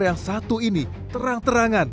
yang satu ini terang terangan